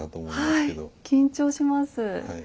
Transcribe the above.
はい緊張します。